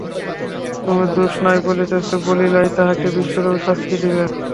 তুমি দোষ নাই বলিতেছ বলিয়াই তাহাকে বিশেষরূপে শাস্তি দিব।